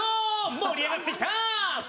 盛り上がってきた！」。